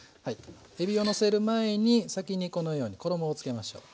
えびをのせる前に先にこのように衣をつけましょう。